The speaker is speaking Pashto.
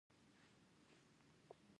ایا زه باید تقاعد وکړم؟